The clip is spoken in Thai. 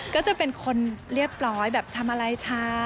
ก็จะเป็นคนเรียบร้อยแบบทำอะไรช้า